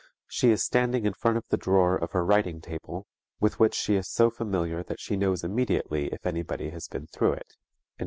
"_She is standing in front of the drawer of her writing table, with which she is so familiar that she knows immediately if anybody has been through it.